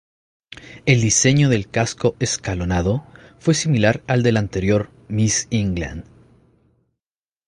El diseño del casco escalonado fue similar al de la anterior "Miss England".